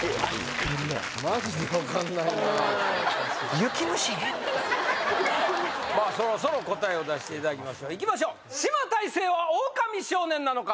マジで分かんないなあまあそろそろ答えを出していただきましょういきましょう島太星はオオカミ少年なのか？